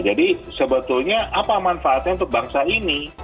jadi sebetulnya apa manfaatnya untuk bangsa ini